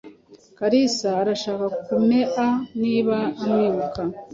Kalisa arashaka kumea niba umwibuka.